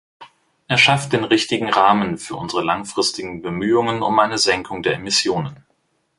Er schafft den richtigen Rahmen für unsere langfristigen Bemühungen um eine Senkung der Emissionen.